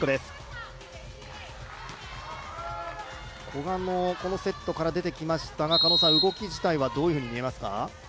古賀もこのセットから出てきましたが、動き自体はどういうふうに見ますか？